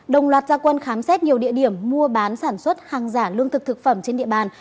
đồng loạt gia quân khám xét nhiều địa điểm mua bán sản xuất hàng giả lương thực thực phẩm trên địa bàn